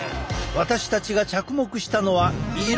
私たちが着目したのは色。